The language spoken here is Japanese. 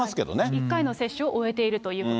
１回の接種を終えているということ。